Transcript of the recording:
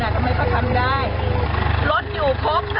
ถ้านนท์ออกข้างนอกนนท์จะปิดรั้ว